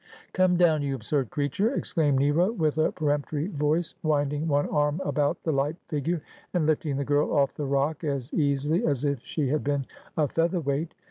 ' Come down, you absurd creature !' exclaimed Nero, with a peremptory voice, winding one arm about the light figure, and lifting the girl off the rock as easily as if she had been a feather weight.